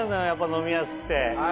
飲みやすくて。